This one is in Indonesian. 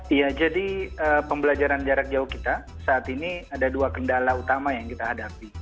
iya jadi pembelajaran jarak jauh kita saat ini ada dua kendala utama yang kita hadapi